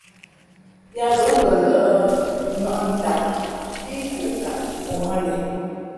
Yǎ bᾱ mbα ndᾱʼ nα̌ʼ ntaa pí kǔʼkaʼ ǒ hᾱ len.